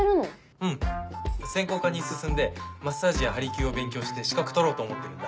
うん専攻科に進んでマッサージや鍼灸を勉強して資格取ろうと思ってるんだ。